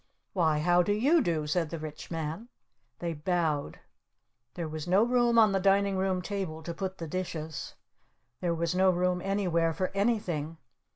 "Why, how do you do?" said the Rich Man. They bowed. There was no room on the Dining Room table to put the dishes. There was no room anywhere for anything.